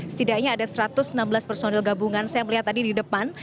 setidaknya ada satu ratus enam belas personil gabungan saya melihat tadi di depan